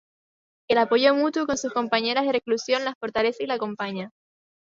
El apoyo mutuo con sus compañeras de reclusión la fortalece y la acompaña.